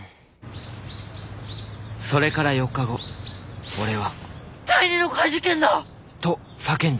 それから４日後おれは第二の怪事件だ！！と叫んだ！！